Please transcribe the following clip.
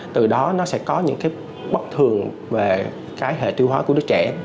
từ đó nó sẽ có những bất thường về hệ tiêu hóa của đứa trẻ